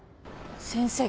先生